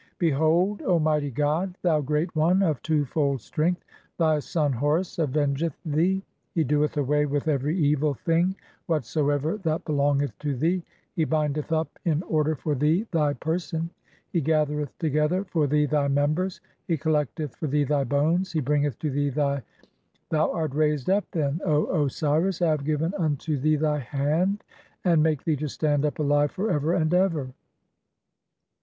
Behold, O mightv god, "thou great one of (4) two fold strength, thy son Horus aveng "eth thee. He doeth away with every evil thing whatsoever "that belongeth to thee, he bindeth up in order for thee thv "person, he gathereth together for thee thy members, he col "lecteth for thee thy bones, he bringeth to thee thy "(5) ..; thou art raised up, then, O Osiris, I have given unto "thee thy hand, and I make thee to stand up alive for ever "and ever.